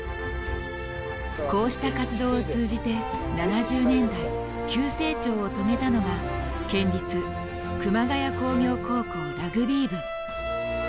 こうした活動を通じて７０年代急成長を遂げたのが県立熊谷工業高校ラグビー部。